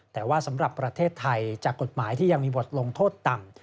แต่ว่าสำหรับประเทศไทยจากกฎหมายที่ยังมีบทลงโทษต่ำ